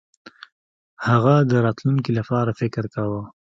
هغه د راتلونکي لپاره فکر کاوه.